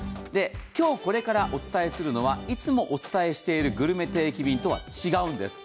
今日これからお伝えするのは、いつもお伝えしているグルメ定期便とは違うんです。